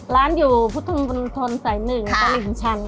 ร้านอยู่พุทธนธนศัยหนึ่งกลิ่นชั้น